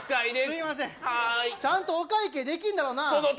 すいません、ちゃんとお会計できんだろうな。